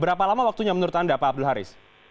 berapa lama waktunya menurut anda pak abdul haris